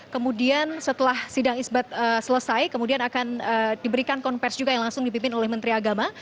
kemudian setelah sidang isbat selesai kemudian akan diberikan konversi juga yang langsung dipimpin oleh menteri agama